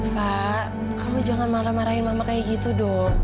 fah kamu jangan marah marahin mama kayak gitu dong